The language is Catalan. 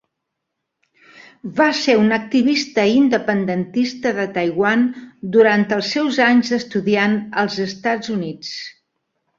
Va ser un activista independentista de Taiwan durant els seus anys d'estudiant als Estats Units.